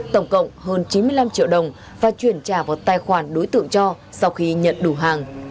tổng cộng hơn chín mươi năm triệu đồng và chuyển trả vào tài khoản đối tượng cho sau khi nhận đủ hàng